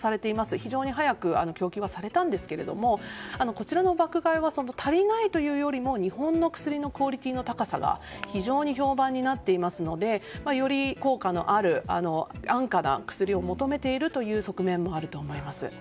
非常に早く供給されたんですがこちらの爆買いは足りないというよりも日本の薬のクオリティーの高さが非常に評判になっているのでより効果のある安価な薬を求めているという側面もあると思います。